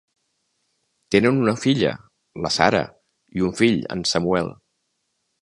Tenen una filla, la Sarah, i un fill, en Samuel.